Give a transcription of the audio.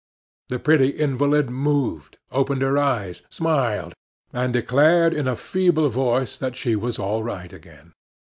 The pretty invalid moved, opened her eyes, smiled, and declared in a feeble voice that she was all right again.